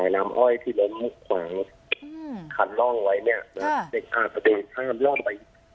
น้ำอ้อยที่ลงขวางขันร่องไว้